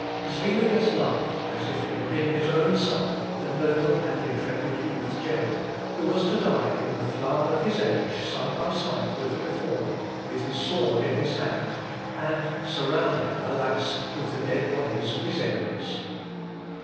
Zuinglius loved, as if he had been his own son, the noble and intrepid youth Gerold, who was to die in the flower of his age side by side with the Reformer, with his sword in his hand, and surrounded alas! with the dead bodies of his enemies.